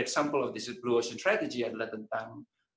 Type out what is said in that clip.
salah satu contoh yang bagus adalah tentang